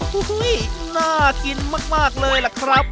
กุ้ยน่ากินมากเลยล่ะครับ